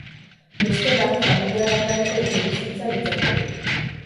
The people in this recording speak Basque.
Bestela, familia bakarreko etxebizitza litzateke.